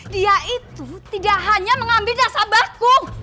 dia itu tidak hanya mengambil dasar baku